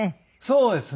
そうですね。